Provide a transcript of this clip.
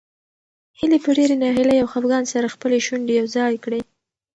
هیلې په ډېرې ناهیلۍ او خپګان سره خپلې شونډې یو ځای کړې.